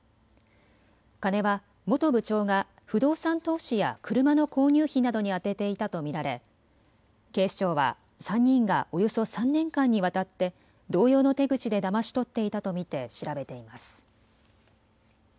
金は元部長が不動産投資や車の購入費などに充てていたと見られ警視庁は３人がおよそ３年間にわたって同様の手口でだまし取っていたと見て調べています。